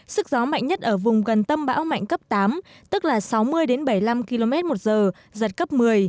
sức gió mạnh nhất ở vùng gần tâm bão mạnh cấp tám tức là sáu mươi bảy mươi năm km một giờ giật cấp một mươi